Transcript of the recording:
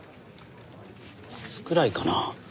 夏くらいかな。